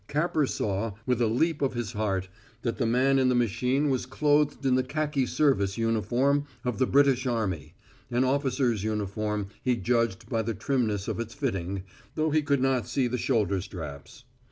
Capper saw, with a leap of his heart, that the man in the machine was clothed in the khaki service uniform of the British army an officer's uniform he judged by the trimness of its fitting, though he could not see the shoulder straps.